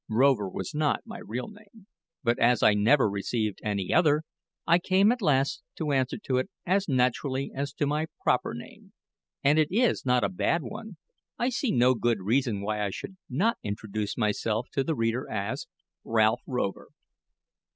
Rover was not my real name; but as I never received any other, I came at last to answer to it as naturally as to my proper name. And as it is not a bad one, I see no good reason why I should not introduce myself to the reader as Ralph Rover.